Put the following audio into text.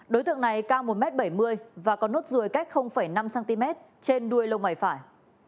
đối tượng này cao một m bảy mươi và có nốt ruồi cách năm cm trên đuôi lông mày phải